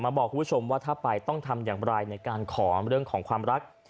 บอกคุณผู้ชมว่าถ้าไปต้องทำอย่างไรในการขอเรื่องของความรัก